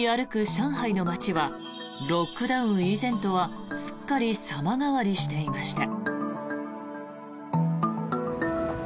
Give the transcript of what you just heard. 上海の街はロックダウン以前とはすっかり様変わりしていました。